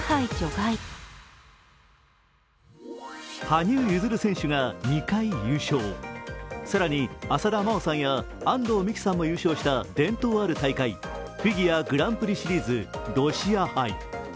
羽生結弦選手が２回優勝、更に浅田真央さんや安藤美姫さんも優勝した伝統ある大会、フィギュア・グランプリシリーズ・ロシア杯。